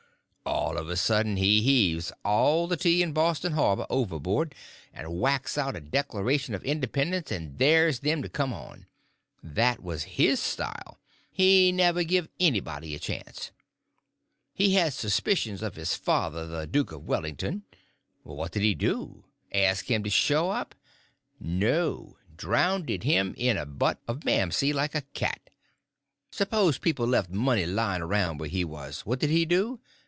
All of a sudden he heaves all the tea in Boston Harbor overboard, and whacks out a declaration of independence, and dares them to come on. That was his style—he never give anybody a chance. He had suspicions of his father, the Duke of Wellington. Well, what did he do? Ask him to show up? No—drownded him in a butt of mamsey, like a cat. S'pose people left money laying around where he was—what did he do?